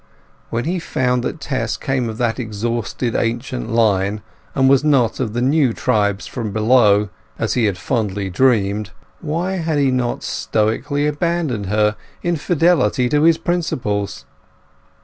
When he found that Tess came of that exhausted ancient line, and was not of the new tribes from below, as he had fondly dreamed, why had he not stoically abandoned her in fidelity to his principles?